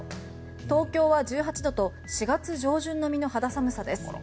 東京は１８度と４月上旬並みの肌寒さです。